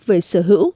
về sở hữu